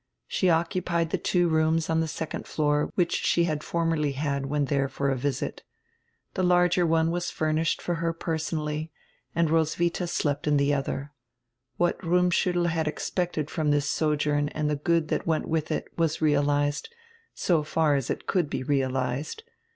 She occupied die two rooms on the second floor which she had formerly had when diere for a visit. The larger one was furnished for her personally, and Roswidia slept in die odier. What Rummschuttel had expected from this sojourn and the good diat went widi it, was realized, so far as it could be realized.